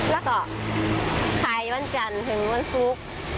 แล้วก็ขายวันจันทร์ถึงวันศุกร์